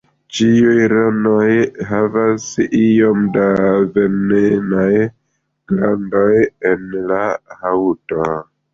Ĉiuj ranoj havas iom da venenaj glandoj en la haŭto.